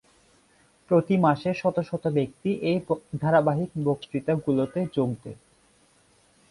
প্রতি মাসে শত শত ব্যক্তি এই ধারাবাহিক বক্তৃতাগুলোতে যোগ দেয়।